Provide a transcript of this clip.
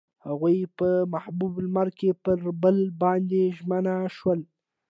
هغوی په محبوب لمر کې پر بل باندې ژمن شول.